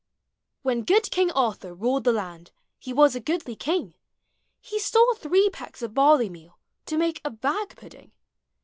When good King Arthur ruled the land, lie was a goodly kiug: He stole three pecks of barley meal, To make a bag pudding.